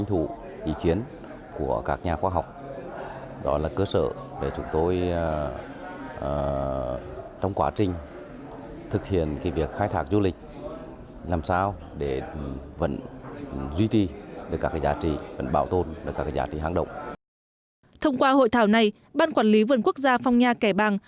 thông qua hội thảo này ban quản lý vườn quốc gia phong nha cải bang